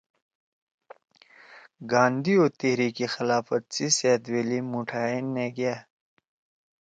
گاندھی او تحریک خلافت سی سأدویلی مُوٹھائے نےگأ۔